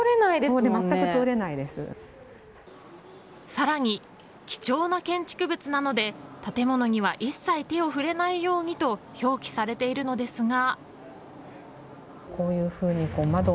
更に、貴重な建築物なので建物には一切手を触れないようにと表記されているのですが。